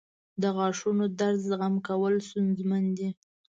• د غاښونو درد زغم کول ستونزمن دي.